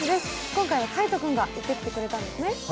今回は海音君が行ってきてくれたんですよね。